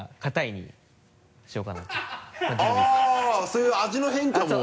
そういう味の変化も？